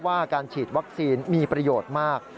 ว่าการฉีดวัคซีนมีประโยชน์มาก